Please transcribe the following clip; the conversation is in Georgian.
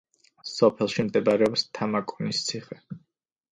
სოფელში მდებარეობს თამაკონის ციხე.